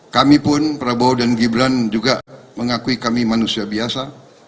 kami pun prabowo dan gibran juga mengakui kami manusia biasa